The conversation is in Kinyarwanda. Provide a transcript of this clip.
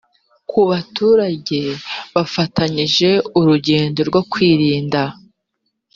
ku baturage bafatanyije urugendo rwo kwimika